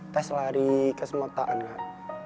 tes lari kesemotaan kak